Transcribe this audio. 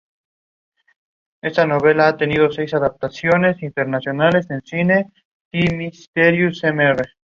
Los dirigentes del Partido Independiente desempeñaron cargos importantes durante el gobierno peronista.